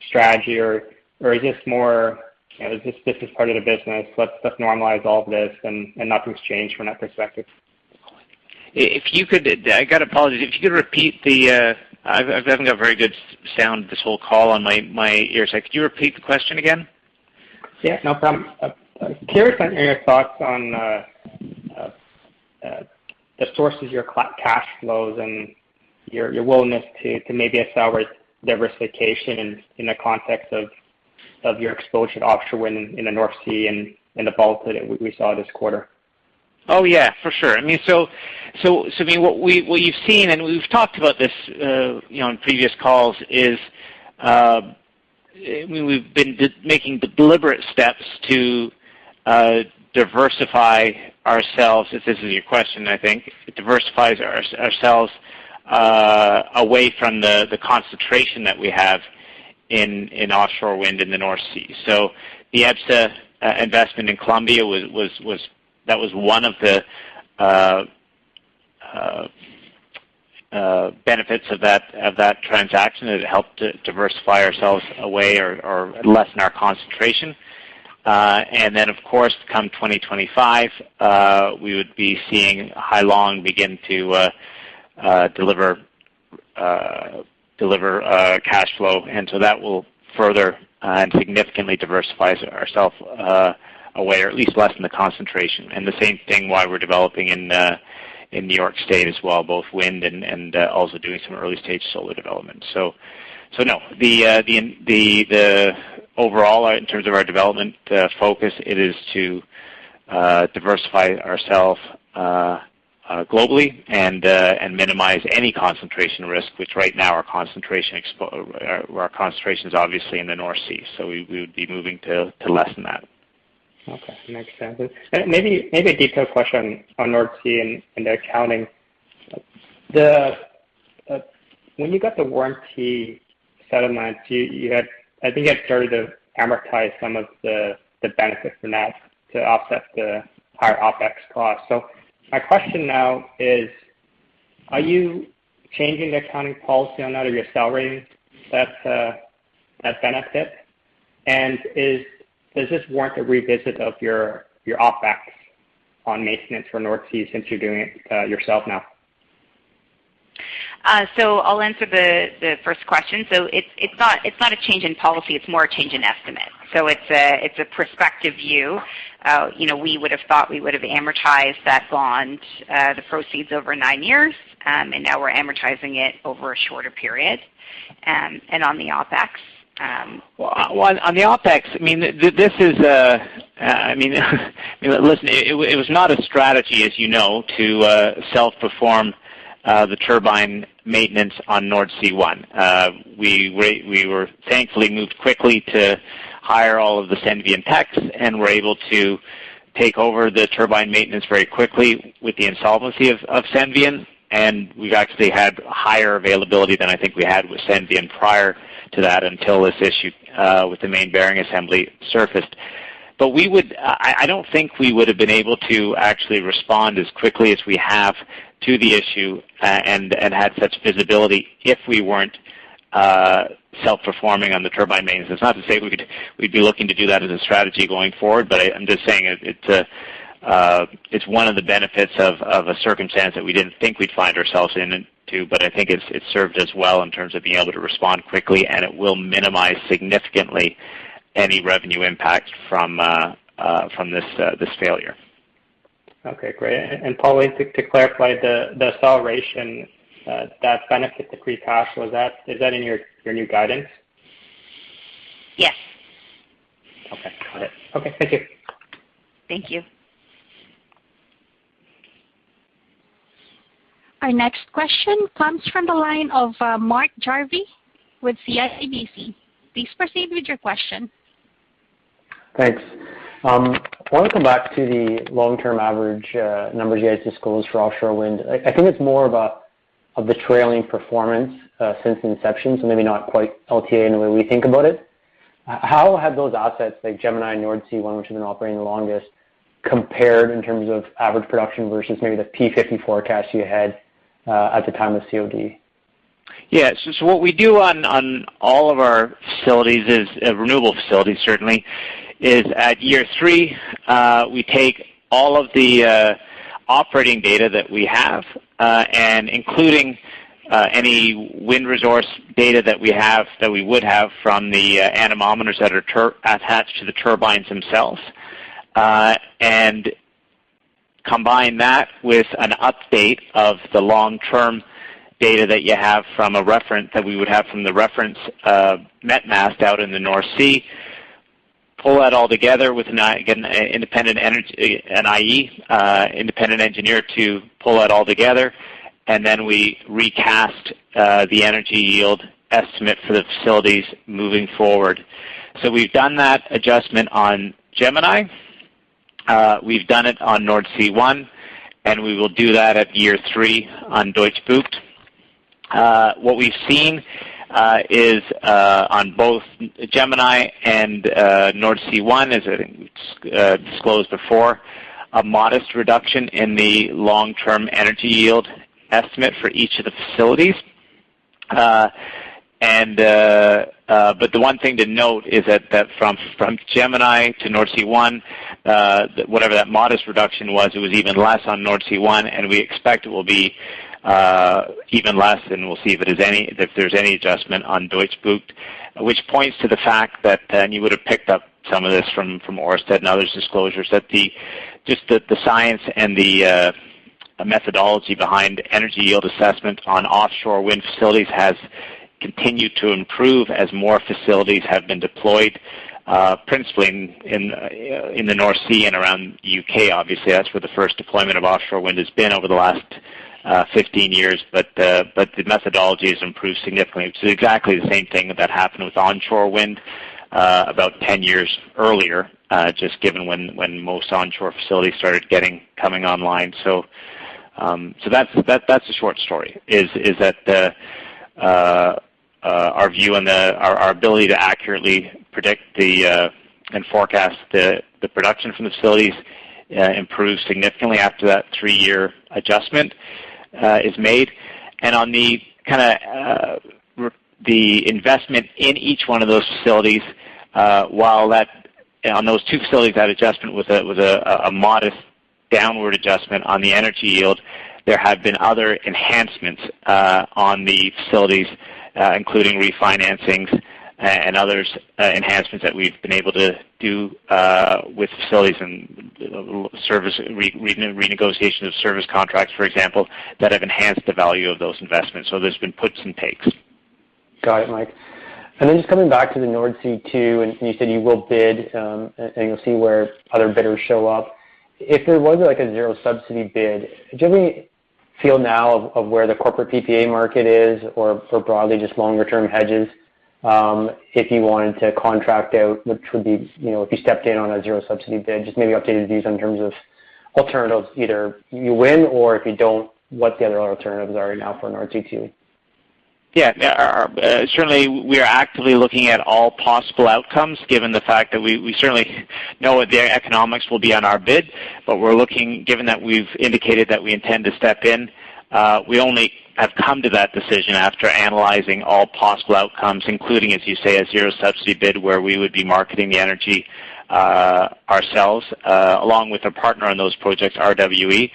strategy? Or is this more, this is part of the business, let's normalize all of this and nothing's changed from that perspective? I got to apologize. I haven't got very good sound this whole call on my ears. Could you repeat the question again? Yeah, no problem. Curious on your thoughts on the sources of your cash flows and your willingness to maybe accelerate diversification in the context of your exposure to offshore wind in the North Sea and the Baltic that we saw this quarter? Oh, yeah. For sure. What you've seen, and we've talked about this in previous calls, is we've been making deliberate steps to diversify ourselves. This isn't your question, I think. Diversify ourselves away from the concentration that we have in offshore wind in the North Sea. The EPSA investment in Colombia, that was one of the benefits of that transaction. It helped to diversify ourselves away or lessen our concentration. Of course, come 2025, we would be seeing Hai Long begin to deliver cash flow, that will further and significantly diversify ourself away, or at least lessen the concentration. The same thing why we're developing in New York State as well, both wind and also doing some early-stage solar development. No. Overall, in terms of our development focus, it is to diversify ourselves globally and minimize any concentration risk, which right now our concentration is obviously in the North Sea. We would be moving to lessen that. Okay. Makes sense. Maybe a detailed question on North Sea and the accounting. When you got the warranty settlement, I think you had started to amortize some of the benefits from that to offset the higher OpEx cost. My question now is, are you changing the accounting policy on that? Are you accelerating that benefit? And does this warrant a revisit of your OpEx on maintenance for North Sea since you're doing it yourself now? I'll answer the first question. It's not a change in policy, it's more a change in estimate. It's a prospective view. We would have thought we would have amortized that bond, the proceeds over nine years, and now we're amortizing it over a shorter period. Well, on the OpEx, listen, it was not a strategy, as you know, to self-perform the turbine maintenance on Nordsee One. We were thankfully moved quickly to hire all of the Senvion techs and were able to take over the turbine maintenance very quickly with the insolvency of Senvion. We've actually had higher availability than I think we had with Senvion prior to that, until this issue with the rotor shaft bearings surfaced. I don't think we would have been able to actually respond as quickly as we have to the issue and had such visibility if we weren't self-performing on the turbine maintenance. It's not to say we'd be looking to do that as a strategy going forward, but I'm just saying it's one of the benefits of a circumstance that we didn't think we'd find ourselves into. I think it's served us well in terms of being able to respond quickly, and it will minimize significantly any revenue impact from this failure. Okay, great. Pauline, to clarify, the acceleration, that benefit, the free cash, is that in your new guidance? Yes. Okay, got it. Okay, thank you. Thank you. Our next question comes from the line of Mark Jarvi with CIBC. Please proceed with your question. Thanks. I want to come back to the long-term average numbers you guys disclose for offshore wind. I think it's more of the trailing performance since inception, so maybe not quite LTA in the way we think about it. How have those assets like Gemini and Nordsee One, which have been operating the longest, compared in terms of average production versus maybe the P50 forecast you had at the time of COD? Yeah. What we do on all of our facilities is, renewable facilities, certainly, is at year three, we take all of the operating data that we have, and including any wind resource data that we would have from the anemometers that are attached to the turbines themselves, and combine that with an update of the long-term data that we would have from the reference met mast out in the North Sea. Pull that all together with, again, an IE, independent engineer, to pull that all together. We recast the energy yield estimate for the facilities moving forward. We've done that adjustment on Gemini. We've done it on Nordsee One, and we will do that at year three on Deutsche Bucht. What we've seen is on both Gemini and Nordsee One, as I disclosed before, a modest reduction in the long-term energy yield estimate for each of the facilities. The one thing to note is that from Gemini to Nordsee One, whatever that modest reduction was, it was even less on Nordsee One, and we expect it will be even less, and we'll see if there's any adjustment on Deutsche Bucht, which points to the fact that, and you would have picked up some of this from Ørsted and others' disclosures, that just the science and the methodology behind energy yield assessment on offshore wind facilities has continued to improve as more facilities have been deployed, principally in the North Sea and around U.K., obviously. That's where the first deployment of offshore wind has been over the last 15 years. The methodology has improved significantly, which is exactly the same thing that happened with onshore wind about 10 years earlier, just given when most onshore facilities started coming online. That's the short story, is that our view and our ability to accurately predict and forecast the production from the facilities improved significantly after that three-year adjustment is made. On the investment in each one of those facilities, while on those two facilities, that adjustment was a modest downward adjustment on the energy yield, there have been other enhancements on the facilities, including refinancings and others enhancements that we've been able to do with facilities and renegotiation of service contracts, for example, that have enhanced the value of those investments. There's been puts and takes. Got it, Mike. Just coming back to the Nordsee Two, you said you will bid, and you'll see where other bidders show up. If there was a zero-subsidy bid, do you have any feel now of where the corporate PPA market is, or for broadly just longer-term hedges, if you wanted to contract out, if you stepped in on a zero-subsidy bid, just maybe updated views on terms of alternatives, either you win, or if you don't, what the other alternatives are now for Nordsee Two? Certainly, we are actively looking at all possible outcomes, given the fact that we certainly know what the economics will be on our bid. Given that we've indicated that we intend to step in, we only have come to that decision after analyzing all possible outcomes, including, as you say, a zero-subsidy bid, where we would be marketing the energy ourselves, along with our partner on those projects, RWE.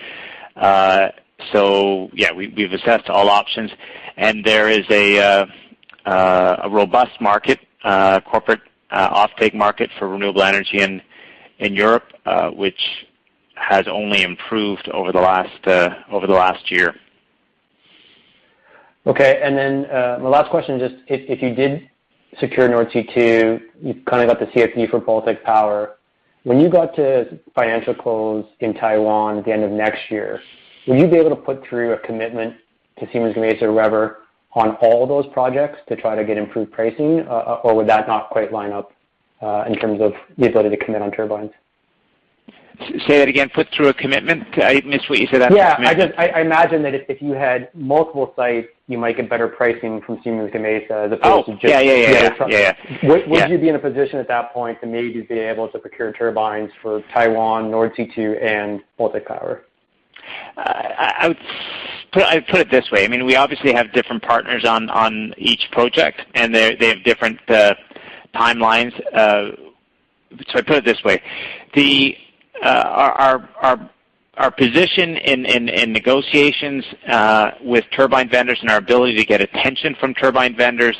We've assessed all options, and there is a robust market, corporate offtake market for renewable energy in Europe, which has only improved over the last year. Okay. My last question, just if you did secure Nordsee Two, you've kind of got the CfD for Baltic Power. When you got to financial close in Taiwan at the end of next year, will you be able to put through a commitment to Siemens Gamesa or Vestas on all those projects to try to get improved pricing? Or would that not quite line up in terms of the ability to commit on turbines? Say that again, put through a commitment? I missed what you said after commitment. Yeah, I imagine that if you had multiple sites, you might get better pricing from Siemens Gamesa as opposed to just. Oh, yeah. the other front. Yeah. Would you be in a position at that point to maybe be able to procure turbines for Taiwan, Nordsee Two, and Baltic Power? I'd put it this way. We obviously have different partners on each project, and they have different timelines. I'd put it this way. Our position in negotiations with turbine vendors and our ability to get attention from turbine vendors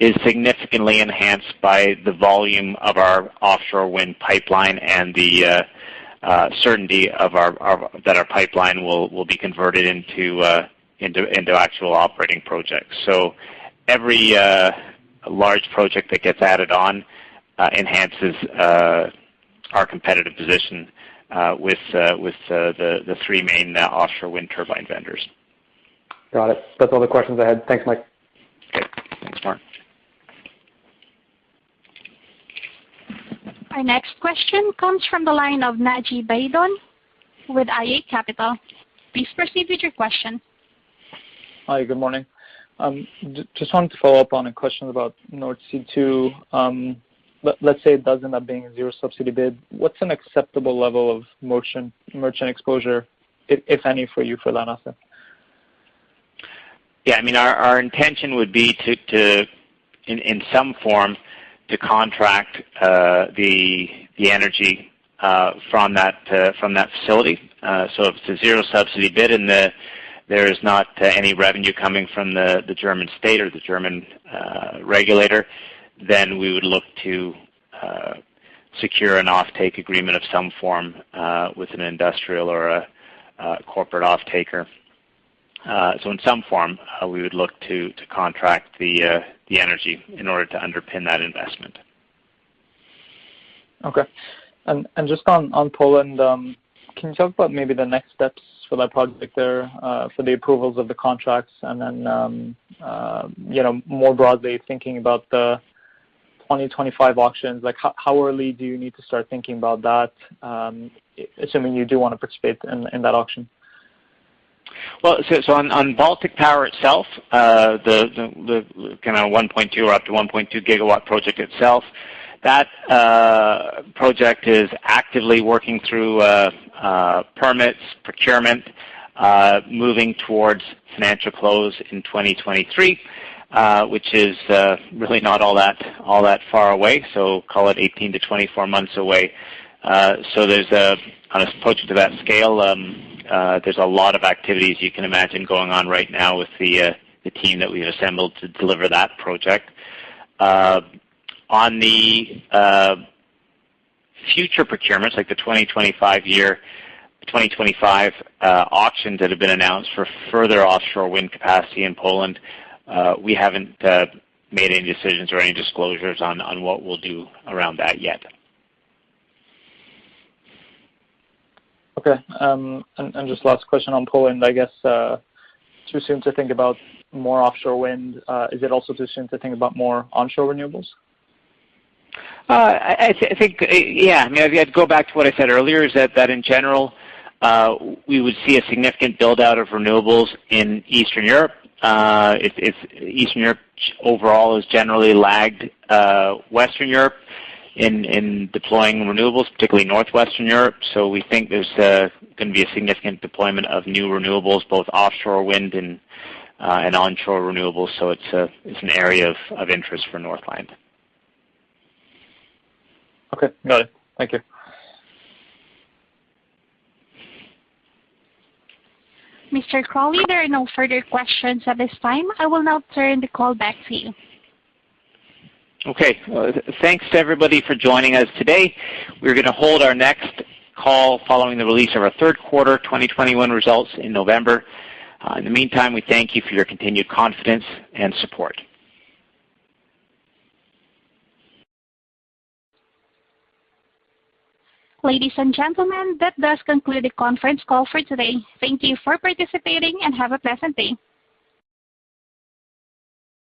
is significantly enhanced by the volume of our offshore wind pipeline and the certainty that our pipeline will be converted into actual operating projects. Every large project that gets added on enhances our competitive position with the three main offshore wind turbine vendors. Got it. That's all the questions I had. Thanks, Mike. Okay. Thanks, Mark. Our next question comes from the line of Naji Baydoun with iA Capital. Please proceed with your question. Hi, good morning. Just wanted to follow up on a question about Nordsee Two. Let's say it does end up being a zero-subsidy bid. What's an acceptable level of merchant exposure, if any, for you for that asset? Yeah, our intention would be to, in some form, to contract the energy from that facility. If it's a zero-subsidy bid and there is not any revenue coming from the German state or the German regulator, then we would look to secure an offtake agreement of some form with an industrial or a corporate offtaker. In some form, we would look to contract the energy in order to underpin that investment. Okay. Just on Poland, can you talk about maybe the next steps for that project there, for the approvals of the contracts and then, more broadly thinking about the 2025 auctions, how early do you need to start thinking about that, assuming you do want to participate in that auction? On Baltic Power itself, the 1.2 GW or up to 1.2 GW project itself, that project is actively working through permits, procurement, moving towards financial close in 2023, which is really not all that far away, so call it 18-24 months away. There's an approach to that scale. There's a lot of activities you can imagine going on right now with the team that we've assembled to deliver that project. On the future procurements, like the 2025 auction that have been announced for further offshore wind capacity in Poland, we haven't made any decisions or any disclosures on what we'll do around that yet. Okay. Just last question on Poland, I guess, too soon to think about more offshore wind? Is it also too soon to think about more onshore renewables? I think, yeah. I mean, if you had to go back to what I said earlier is that in general, we would see a significant build-out of renewables in Eastern Europe. Eastern Europe overall has generally lagged Western Europe in deploying renewables, particularly Northwestern Europe. We think there's going to be a significant deployment of new renewables, both offshore wind and onshore renewables. It's an area of interest for Northland. Okay, got it. Thank you. Mr. Crawley, there are no further questions at this time. I will now turn the call back to you. Okay. Thanks to everybody for joining us today. We're going to hold our next call following the release of our third quarter 2021 results in November. In the meantime, we thank you for your continued confidence and support. Ladies and gentlemen, that does conclude the conference call for today. Thank you for participating and have a pleasant day.